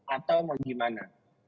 atau mau gimana